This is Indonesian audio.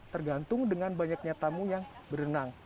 tergantung dengan banyaknya tamu yang berenang